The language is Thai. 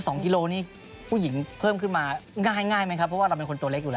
กิโลนี่ผู้หญิงเพิ่มขึ้นมาง่ายง่ายไหมครับเพราะว่าเราเป็นคนตัวเล็กอยู่แล้ว